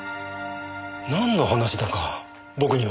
なんの話だか僕には。